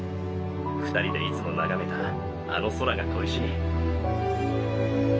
２人でいつも眺めたあの空が恋しい。